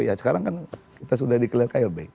ya sekarang kan kita sudah di clear klb